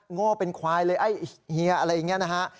โง่เป็นควายเลยไอ้เฮียอะไรอย่างนี้นะฮะ